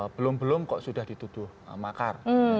belum belum kok sudah dituduh makar